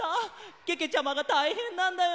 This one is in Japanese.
けけちゃまがたいへんなんだよ！